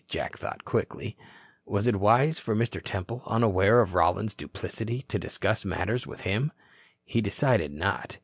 Jack thought quickly. Was it wise for Mr. Temple, unaware of Rollins's duplicity, to discuss matters with him? He decided not.